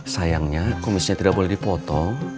sayangnya kumisnya tidak boleh dipotong